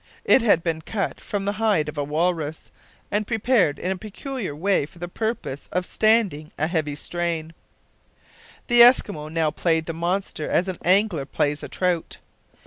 It had been cut from the hide of a walrus, and prepared in a peculiar way for the purpose of standing a heavy strain. The Eskimo now played the monster as an angler plays a trout.